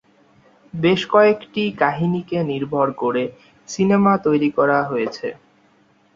বেশ কয়েকটি কাহিনীকে নির্ভর করে সিনেমা তৈরি করা হয়েছে।